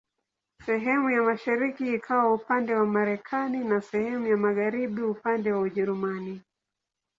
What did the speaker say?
Sehemu ya mashariki ikawa upande wa Marekani na sehemu ya magharibi upande wa Ujerumani.